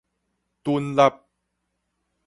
躉納